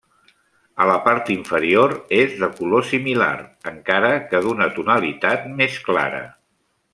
A la part inferior és de color similar, encara que d'una tonalitat més clara.